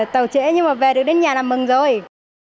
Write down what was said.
tàu trễ nhưng mà về được đến nhà là mừng rồi